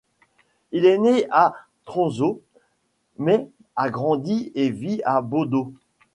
Il est né à Tromsø, mais a grandi et vit à Bodø.